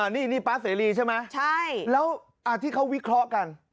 นี่ป๊าเสรีใช่ไหมแล้วที่เขาวิเคราะห์กัน